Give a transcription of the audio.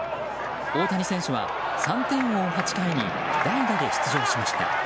大谷選手は３点を追う８回に代打で出場しました。